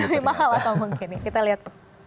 lebih mahal atau mungkin ya kita lihat